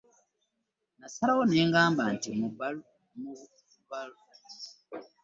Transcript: Nnasalawo ne ngamba nti mu bulamu mwe tuyita osobola okuyingirira n'ofuuka omukisa